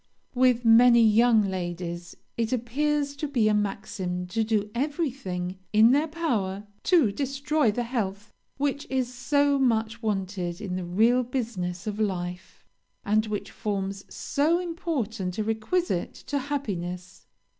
With many young ladies, it appears to be a maxim to do everything in their power to destroy the health which is so much wanted in the real business of life, and which forms so important a requisite to happiness.